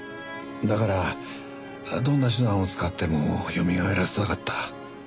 だからどんな手段を使ってもよみがえらせたかった。